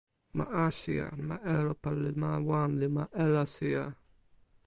ma Asija en ma Elopa li ma wan li ma Elasija.